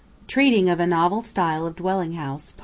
TREATING OF A NOVEL STYLE OF DWELLING HOUSE.